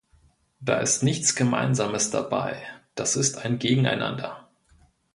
Da ist nichts Gemeinsames dabei, das ist ein Gegeneinander.